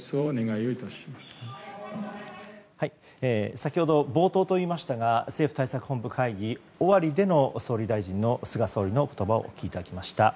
先ほど冒頭といいましたが政府対策本部会議終わりでの菅総理の言葉をお聞きいただきました。